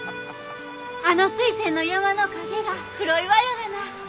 あの水仙の山の陰が黒岩やがな。